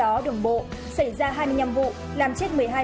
trong đó đường bộ xảy ra hai mươi năm vụ làm chết hai mươi năm người